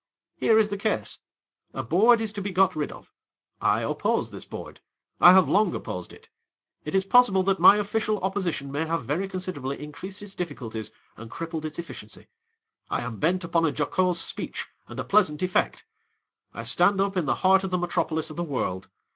Here is the case. A Board is to be got rid of. I oppose this Board. I have long opposed it. It is possible that my official opposition may have very considerably in creased its difficulties and crippled its effi ciency. I am bent upon a jocose speech, and a pleasant effect. I stand up in the heai't of the metropolis of the world.